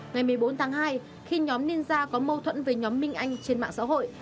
ngày một mươi bốn tháng hai khi nhóm ninja có mâu thuẫn về nhóm minh anh trên mạng xã hội